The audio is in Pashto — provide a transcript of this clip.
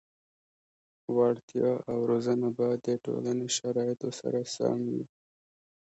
وړتیا او روزنه باید د ټولنې شرایطو سره سم وي.